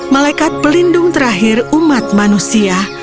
melekat pelindung terakhir umat manusia